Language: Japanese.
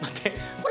これ。